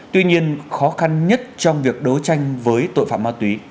tuy nhiên khó khăn nhất trong việc đấu tranh với tội phạm ma túy